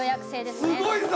すごいぞ！